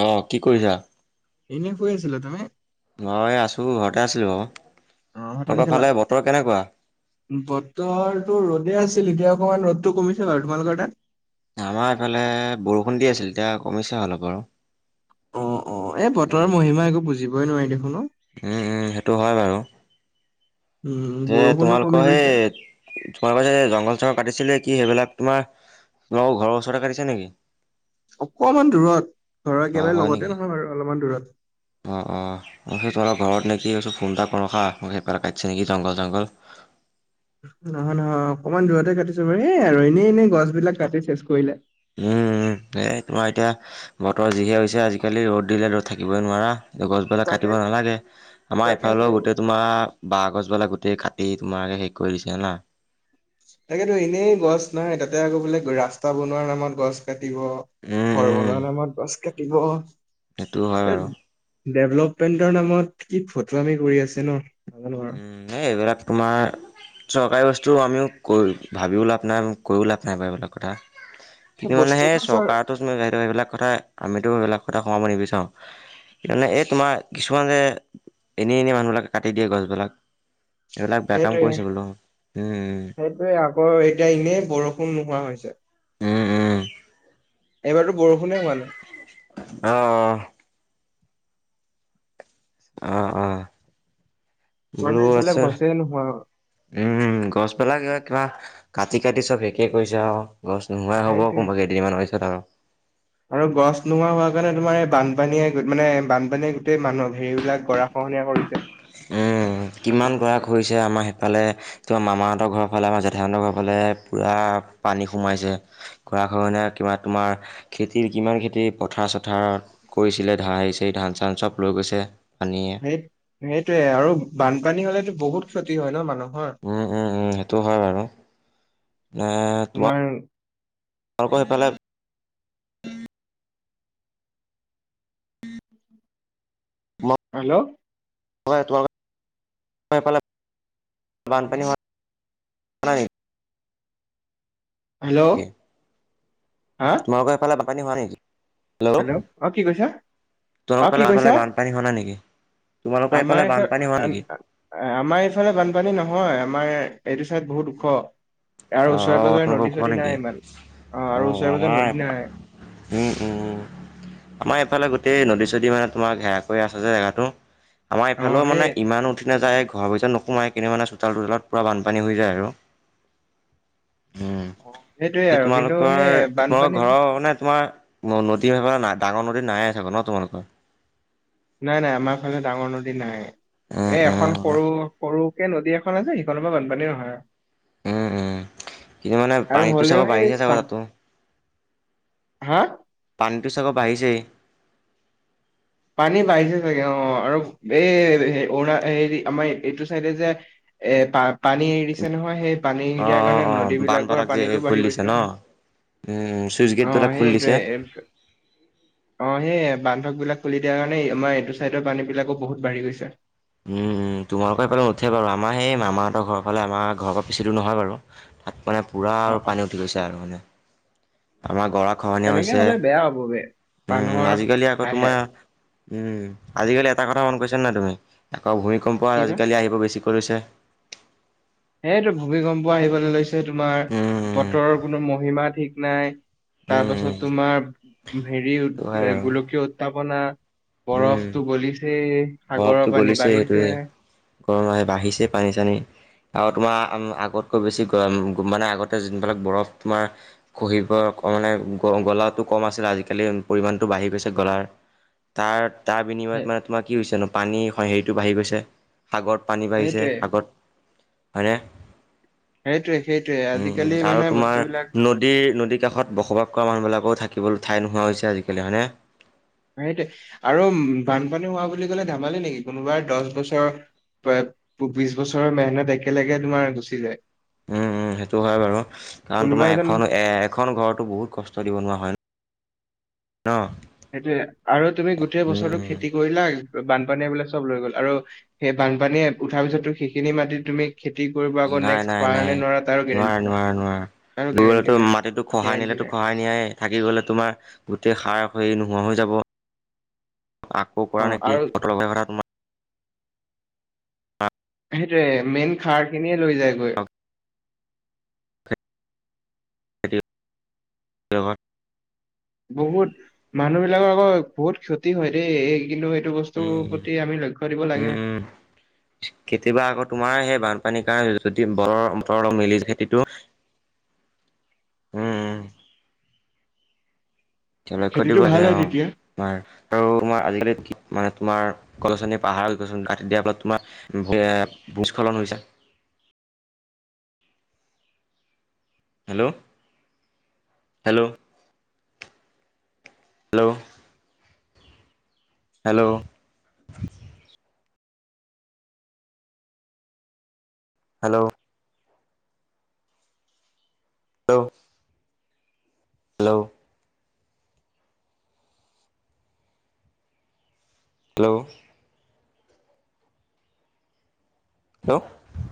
আহ কি কৰিছা। এনেই শুই আছিলোঁ তুমি। মই আছোঁ ঘৰতে আছিলোঁ বাৰু অ ভাত পানী তহঁতৰ খালা ফালে বতৰ কেনেকুৱা? বতৰটো ৰ'দে আছে। আছিল এতিয়া অকণমান ৰ'দটো কমিছে তোমালোকৰ তাত। আমাৰ এইফালে বৰষুণ দি আছিল এতিয়া কমিছে অলপ আৰু অ অ এই বতৰৰ মহিমা একো বুজিবই নোৱাৰি দেখোন উম উম সেইটো হয় বাৰু উম যে বৰষুণো কমি তোমালোকৰ গৈছে সেই তোমালোকৰ যে জংঘল চংঘল কাটিছিলে কি সেইবিলাক তোমাৰ তোমাৰ ঘৰৰ ওচৰতে কাটিছে নেকি? অকণমান দূৰত ঘৰৰ অ একেবাৰে হয় নেকি? লগতে নহয় বাৰু অলপমান দূৰত। অ অ সেই তহঁতৰ ঘৰত নেকি ফোন এটা কৰো হা সেইফালে কাটিছে নেকি জংঘল ঝংঘল। [unintelligible] নহয় নহয় অকণমান দূৰতে কাটিছে বাৰু হ আৰু এনেই এনেই গছ বিলাক কাটি চেচ কৰিলে উম এই তোমাৰ এতিয়া বতৰ যিহে হৈছে আজিকালি ৰ'দ দিলে ৰ'দ থাকিবই নোৱাৰা। গছ বিলাক তাকে কাটিব নালাগে আমাৰ তাকেতো এফালেও গোটেই তোমাৰ বাঁহ গছবিলাক গোটেই। এ তোমালোকে শেষ কৰি দিছা না তাকেতো এনেই গছ নাই তাতে আকৌ বোলে ৰাস্তা বনোৱাৰ নামত গছ কাটি উম, হৰৰ্মনৰ নামত বাছ কাটিব। সেইটোও হয় এই বাৰু ডেভলপমেন্টৰ নামত কি ফটোৱামি কৰি আছে ন। নাজানো আৰু। উম এই এইবিলাক তোমাৰ চৰকাৰী বস্তু। তো আমিও ক ভাবিও লাভ নাই কৈও লাভ নাই বাৰু এইবিলাক কথা। কিন্তু মানে সেই বস্তুটো ছাৰ চৰকাৰো সেইবিলাক কথা আমিতো সেইবিলাক কথা সোমাব নিবিচাৰো। মানে এই তোমাৰ কিছুমান যে এনে এনে মানুহবিলাকে কাটি দিয়ে। এইবিলাক। সেইটোৱে উম। সেইটোৱে আকৌ এতিয়া এনেই বৰষুণ নোহোৱা হৈছে। উম উম। এইবাৰটো। অহ অহ। অঁ অঁ। মানে বোলো এইফালে আছা গছে নোহোৱা হ'ল উম গছ পালাগে কিবা। কাটি কাটি চব শেষে কৰিছে আৰু গছ নোহোৱাই হ'ব সেইটোৱে। কোনোবা কেইদিনমানৰ পিছত আৰু। আৰু গছ নোহোৱা হোৱা কাৰণে তোমাৰ এই বানপানীয়ে মানে বানপানীয়ে গোটেই মানুহ হেৰিবিলাক গৰা। খহনীয়া কৰিছে। উহ। কিমান গড়া খহিছে আমাৰ সেইফালে তোমাৰ মামাহঁতৰ ঘৰ ফালে আমাৰ জেঠাহঁতৰ ঘৰৰ ফালে পূৰা। পানী সোমাইছে গঢ়াখহনীয়া কিবা তোমাৰ খেতিৰ কিমান খেতি পথাৰ চথাৰত। কৰিছিলে ধা আহিছে ধান চান চব লৈ গৈছে। পানীয়ে সেই সেইটোয়ে আৰু বানপানী হলেতো বহুত ক্ষতি হয় ন মানুহ। উম উম উম সেইটো হয় বাৰু এ তোমাৰ। আৰু সেইফালে। হেল্ল'। তোমাৰলোকৰ সেইফালে বানপানী হয়। হেল্ল'। হা তোমাৰলোকৰ সেইফালে বাপানী হোৱা নেকি। হেল্ল' অ কি কৈছা অ তমোক কি তাল আ কৈছা? তালৈ বানপানী হোৱা না নেকি। তোমালোকৰ এইফালে আমাৰ বানপানী হোৱা এই নেকি আমাৰ এইফালে বানপানী নহয় আমাৰ। এইটো ছাইদ বহুত ওখ। অ আৰু ওচৰে পাজৰে তোমালোকৰ নদী ওখ চদী নেকি নাই ইমান অ আৰু ওচৰে পাঁজৰে নদী নাই। উম উম উম আমাৰ এইফালে গো। গোটেই নদী চদী মানে তোমাক হেৰা কৰি আছে যে জেগাাতটো আমাৰ অ ইফালেও সেই মানে ইমান উঠি নাযায়ে। ধহা পইচা নোসোমাই কিনে মানে চোতাল চোতালত পূৰা বানপানী হৈ যায় আৰু। উম অ, সেইটোয়ে সেই আৰু কিন্তু তোমালোকৰ সেই তোমালোকৰ বানপানীত ঘৰৰ মানে তোমাৰ। ম নদী নাই ডাঙৰ নদী নাই আছে ব ন তোমালোকৰ। নাই নাই আমাৰ ফালে ডাঙৰ নদী নাই উম এ উম এখন সৰু সৰু। একে নদী এখন আছে সিখনৰ পৰা বানপানী নহয় আৰু। উম উম কিন্তু মানে আৰু পানীতো চাগ হ'লেও সেই বাঢ়িছে চাগ চাপ তাতো। হা। পানীটো চাগৰ আহিছেই। পানী বাঢ়িছে চাগে অ আৰু এই অৰুণা হেৰি আমাৰ এইটো চাইডে যে। এ পা পানী এৰিছে নহয় সেই। পানী এৰি অ দিয়াৰ অ কাৰণে অ নদীবিলাকৰ বানখনত পানীটো বাঢ়ি খুলি দিছে গৈছে ন। উম চুইচ গেট অ দু এটা খুলি সেইটোৱে দিছে। এ- অ সেই বান্ধক বিলাক খুলি দিয়াৰ কাৰণে আমাৰ এইটো চাইডৰ পানী বিলাকো বহুত বাঢ়ি গৈছে। উম উম তোমালোকৰ সেইফালে নুঠে বাৰু আমাৰ সেই মামাহঁতৰ ঘৰ ফালে আমাৰ ঘৰৰ পৰা পিছিটো নহয় বাৰু। মানে পূৰা অ আৰু অ পানী উঠি গৈছে আৰু মানে আমাৰ। গৰা খহনীয়া এনেকে হৈছে হলে বেয়া হ'ব বে মানুহৰ আজিকালি আকৌ আহে তোমাৰ। উম আজিকালি এটা কথা মন কৈছা নাই তুমি আকৌ ভূমিকম্প কি বা আজিকালি আহিব বেছি। কৰিছে। সেইটো ভূমিকম্প আহিবলৈ লৈছে তোমাৰ উম বতৰৰ কোনো মহিমা ঠিক নাই। উম উম তাৰ পাছত উম তোমাৰ হেৰি সেইটো হয় বাৰু গোলকীয় উত্তাপনা। উম বৰফতটো গলিছে, সাগৰৰ বৰফটো পানী গলিছে সেইটোৱে বাঢ়িছে। গৰম আহে বাঢ়িছে পানী-চানী। আৰু তোমাৰ আগতকৈ বেছি গৰম মানে আগতে যোনবিলাক বৰফ তোমাৰ খহি পৰে মানে গলাটো কম আছিলে আজিকালি পৰিমাণটো বাঢ়ি গৈছে গলাৰ। তাৰ-তাৰ বিনিময়ত সে- মানে তোমাৰ কি হৈছে নো, পানী হেৰিটো বাঢ়ি গৈছে। সাগত পানী বাঢ়িছে সেইটোৱে সাগত হয় নে? সেইটোৱে সেইটোৱে উম', আজিকালি আৰু মানে তোমাৰ বস্তুবিলাক নদীৰ-নদী কাষত বসবাস কৰা মানুহ বিলাকও থাকে কেৱল ঠাই নোহোৱা হৈছে আজিকালি হয়নে? সেইটোে আৰু বানপানী হোৱা বুলি ক'লে ধেমালি নেকি কোনোবাই দহ বছৰ প্ৰায় বিশ বছৰৰ মেহনত একেলগে তোমাৰ গুচি যায়। উম'। সেইটো হয় বাৰু কাৰণ কোনোবা তোমাৰ এজন এখনো এ এখন ঘৰতটো বহুত কষ্ট দিব নোৱাৰা হয়। ন সেইটোয়ে আৰু তুমি গোটেই উম বছৰৰতটো উম খেতি কৰিলা বানপানী এইবিলাক চব লৈ গ'ল আৰু সেই বানপানীয়ে উঠাৰ পিছতো সেইখিনি মাটিত তুমি খেতি কৰিব আকৌ নাই নেক্সট নাই পাৰ নে নোৱাৰা তাৰো গেৰেণ্টি নাই। তাৰো গলে গেৰেণ্টি টো নাই মাটিতো খহাই গেৰেণ্টি নিলেতো নাই খহাই নিয়াই, থাকি গ'লে তোমাৰ গোটেই সাৰ নোহোৱা হৈ যাব। আকৌ অ কৰা নেকি আৰু অল কথা তোমাৰ সেইটোৱে মেইন খাৰ কিনিয়ে লৈ যায়গৈ। ব্যহৰ [unintelligible] বহুত মানুহ বিলাকৰ আকৌ বহুত ক্ষতি হয় দেই এই কিন্তু বস্তুৰ প্ৰতি আমি লক্ষ্য দিব লাগে উম'-উম'-উম', কেতিয়াবা আকৌ তোমাৰ হে বান পানীৰ কাৰণ যদি বৰৰ বতৰ অলপ মেলি খেতিটো উম এ লক্ষ্য দিব খেতিটো ভাল লাগে হয় অ', তেতিয়া তমাৰ আৰু তমাৰ আজিকালি মানে তোমাৰ গলছনী পাহাৰ গছ কাটি দিয়াৰ পেলত তোমাৰ ভূস্খলন হৈ হৈছে। [inaudible] Hello?, hello? Hello? Hello? Hello? অ'। হেল্ল'? হেল্ল'? হেল্ল'?